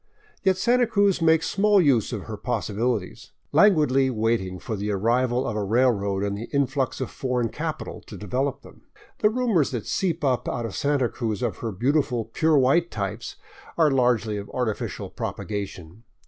Yet Santa Cruz makes small use of her possibilities, languidly waiting for the arrival of a railroad and the influx of foreign capital to develop them. The rumors that seep up out of Santa Cruz of her beautiful pure white types are largely of artificial propagation.